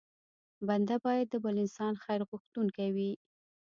بنده بايد د بل انسان خیر غوښتونکی وي.